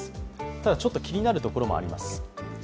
ただ、ちょっと気になるところもあります。